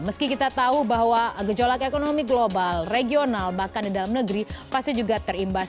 meski kita tahu bahwa gejolak ekonomi global regional bahkan di dalam negeri pasti juga terimbas